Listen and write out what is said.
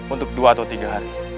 untuk dua atau tiga hari